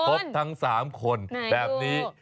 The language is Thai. พบทั้ง๓คนแบบนี้